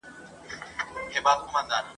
چي شهید مي په لحد کي په نازیږي ..